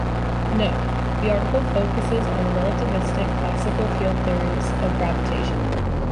"Note:" This article focuses on relativistic classical field theories of gravitation.